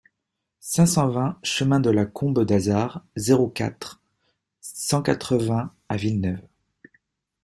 cinq cent vingt chemin de la Combe d'Azard, zéro quatre, cent quatre-vingts à Villeneuve